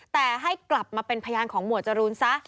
แต่ให้กลับมาเป็นพยานของหมวดจรูนซะ